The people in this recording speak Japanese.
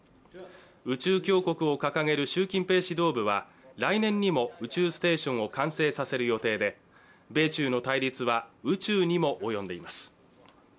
宇宙強国を掲げる習近平指導部は、来年にも宇宙ステーションを完成させる予定で、米中の対立は宇宙にも及んでいます。